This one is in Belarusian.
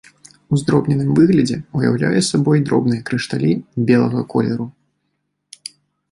У здробненым выглядзе ўяўляе сабой дробныя крышталі белага колеру.